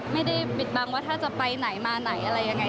ปิดบังว่าถ้าจะไปไหนมาไหนอะไรยังไง